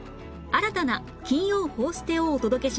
新たな金曜『報ステ』をお届けします